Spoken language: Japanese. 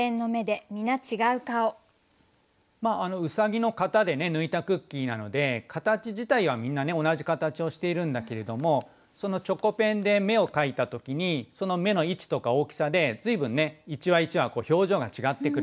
兎の型で抜いたクッキーなので形自体はみんな同じ形をしているんだけれどもそのチョコペンで目を描いた時にその目の位置とか大きさで随分ね一羽一羽表情が違ってくる。